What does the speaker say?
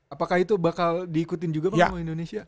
apakah itu bakal diikutin juga sama indonesia